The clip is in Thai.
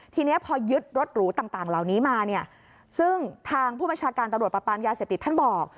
ทีนี้พอยึดรถหรูต่างเหล่านี้มาเนี่ยซึ่งทางผู้บัญชาการตำรวจประปามยาเสพติดท่านบอก